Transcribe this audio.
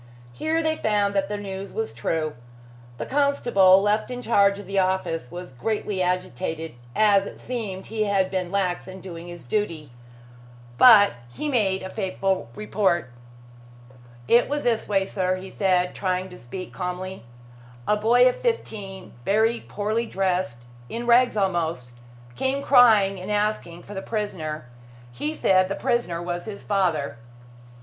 Here they found that the news was true. The constable left in charge of the office was greatly agitated, as it seemed he had been lax in doing his duty. But he made a faithful report. "It was this way, sir," he said, trying to speak calmly. "A boy of fifteen, very poorly dressed in rags almost came crying and asking for the prisoner. He said the prisoner was his father."